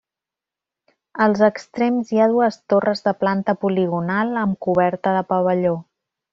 Als extrems hi ha dues torres de planta poligonal amb coberta de pavelló.